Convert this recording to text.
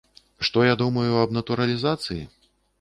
Што я думаю аб натуралізацыі?